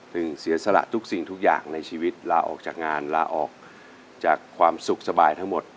เสียสละทุกสิ่งทุกอย่างในชีวิตลาออกจากงานลาออกจากความสุขสบายทั้งหมด